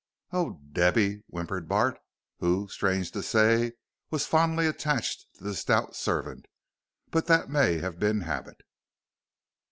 "Oh, Debby!" whimpered Bart, who, strange to say, was fondly attached to the stout servant. But that may have been habit.